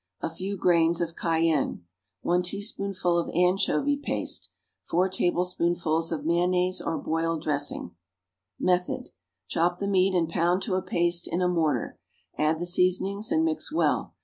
A few grains of cayenne. 1 teaspoonful of anchovy paste. 4 tablespoonfuls of mayonnaise or boiled dressing. Method. Chop the meat and pound to a paste in a mortar; add the seasonings and mix well.